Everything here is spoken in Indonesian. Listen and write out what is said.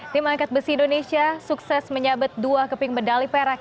tim angkat besi indonesia sukses menyabet dua keping medali perak